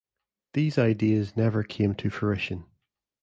These ideas never came to fruition.